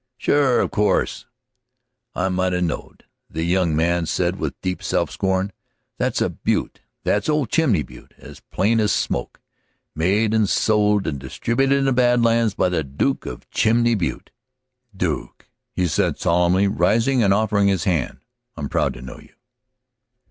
"Sure, of course, I might 'a' knowed," the young man said with deep self scorn. "That's a butte, that's old Chimney Butte, as plain as smoke. Made and sold and distributed in the Bad Lands by the Duke of Chimney Butte. Duke," said he solemnly, rising and offering his hand, "I'm proud to know you."